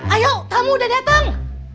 ayo tamu udah dateng